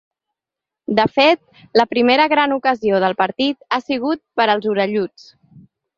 De fet, la primera gran ocasió del partit ha sigut per als orelluts.